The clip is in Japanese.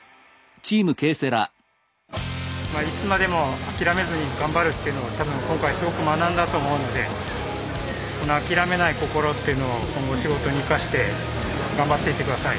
いつまでも諦めずに頑張るっていうのを多分今回すごく学んだと思うのでこの諦めない心っていうのを今後仕事に生かして頑張っていって下さい。